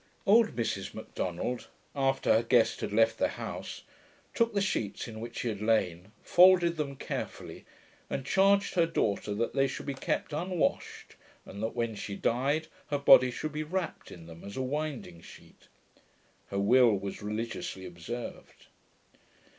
Old Mrs Macdonald, after her guest had left the house, took the sheets in which he had lain, folded them carefully, and charged her daughter that they should be kept unwashed, and that, when she died, her body should be wrapped in them as a winding sheet. Her will was religiously observed.